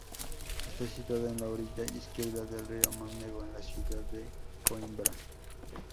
Está situada en la orilla izquierda del río Mondego, en la ciudad de Coímbra.